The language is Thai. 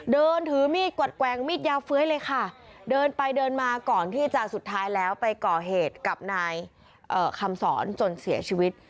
เดินถือมีดกวัดแกว่งมีดยาวเฟ้ยเลยค่ะเดินไปเดินมาก่อนที่จะสุดท้ายแล้วไปก่อเหตุกับนายคำสอนจนเสียชีวิต